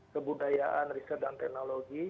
kebudayaan riset dan teknologi